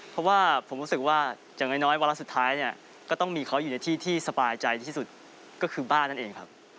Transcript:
เพราะว่าผมรู้สึกว่าอย่างน้อยวาระสุดท้ายเนี่ยก็ต้องมีเขาอยู่ในที่ที่สบายใจที่สุดก็คือบ้านนั่นเองครับ